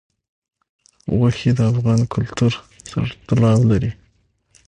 غوښې د افغان کلتور سره تړاو لري.